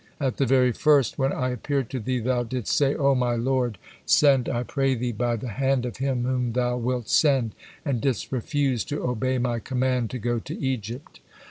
At the very first, when I appeared to thee, thou didst say, 'O my Lord, send I pray Thee, by the hand of him whom Thou wilt send,' and didst refuse to obey My command to go to Egypt.